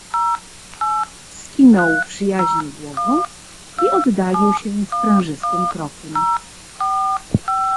"Skinął przyjaźnie głową i oddalił się sprężystym krokiem."